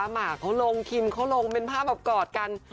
หมากเขาลงคิมเขาลงเป็นภาพแบบกอดกัน